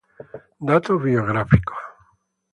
Datos biográficos.